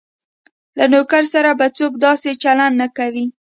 له نوکر سره به څوک داسې چلند نه کوي.